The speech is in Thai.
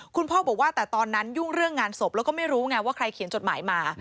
คุณพ่อบอกว่าแต่ตอนนั้นยุ่งเรื่องงานศพแล้วก็ไม่รู้ไงว่าใครเขียนจดหมายมา